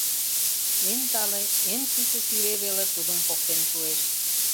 Эн тале, эн писе сӱре веле тудым поктен шуэш.